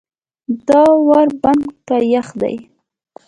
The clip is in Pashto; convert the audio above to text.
دا ور بند که یخ دی.